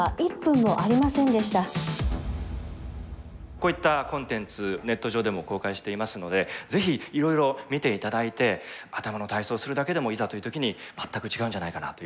こういったコンテンツネット上でも公開していますのでぜひいろいろ見て頂いて頭の体操をするだけでもいざという時に全く違うんじゃないかなというふうに思います。